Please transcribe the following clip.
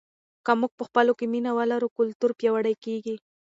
که موږ په خپلو کې مینه ولرو کلتور پیاوړی کیږي.